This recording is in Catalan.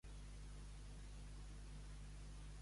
Se li veu que vil és.